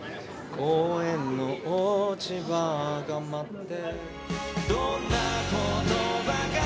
「公園の落ち葉が舞って」